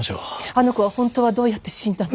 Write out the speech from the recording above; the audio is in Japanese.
あの子は本当はどうやって死んだの。